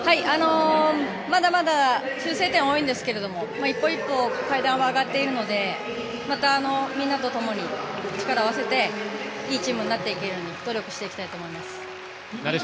まだまだ修正点は多いんですけども一歩一歩階段は上がっているのでまたみんなとともに力を合わせていいチームになっていけるように努力していきたいと思います。